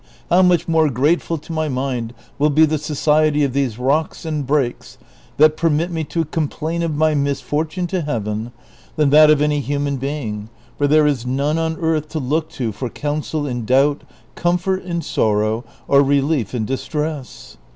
how much more gratefid to my nund will be the society of these rocks and brakes that permit me to complain of my misfortune to Heaven, than that of any human being, for there is none on earth to look to for counsel in doubt, comfort in sorrow, or relief in distress